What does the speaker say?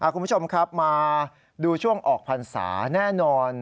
คุณผู้ชมครับมาดูช่วงออกพรรษาแน่นอน